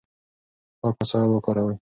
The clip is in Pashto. پاک وسایل وکاروئ.